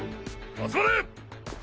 集まれッ！